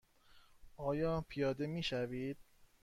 آیا پیاده می شوید؟